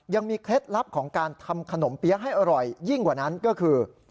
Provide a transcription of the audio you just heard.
เคล็ดลับของการทำขนมเปี๊ยะให้อร่อยยิ่งกว่านั้นก็คือ